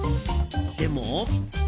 でも。